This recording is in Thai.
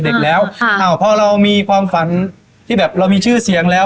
เด็กแล้วค่ะอ้าวพอเรามีความฝันที่แบบเรามีชื่อเสียงแล้ว